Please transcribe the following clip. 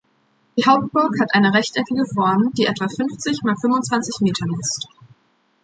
Die Hauptburg hat eine rechteckige Form die etwa fünfzig mal fünfundzwanzig Meter misst.